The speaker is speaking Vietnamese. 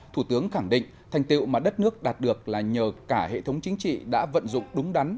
thủ tướng khẳng định thành tiệu mà đất nước đạt được là nhờ cả hệ thống chính trị đã vận dụng đúng đắn